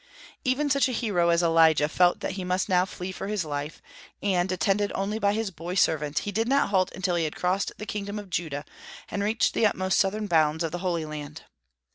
Even such a hero as Elijah felt that he must now flee for his life, and, attended only by his boy servant, he did not halt until he had crossed the kingdom of Judah, and reached the utmost southern bounds of the Holy Land.